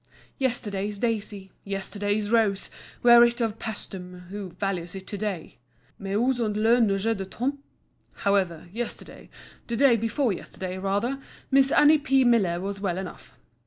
Yesterday's Daisy, yesterday's Rose, were it of Pæstum, who values it to day? Mais où sont les neiges d'automne? However, yesterday—the day before yesterday, rather—Miss Annie P. Miller was well enough.